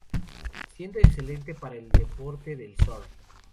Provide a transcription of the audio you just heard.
Siendo excelente para el deporte del surf.